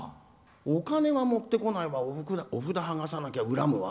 お金は持ってこないわお札ははがさなきゃ恨むわ。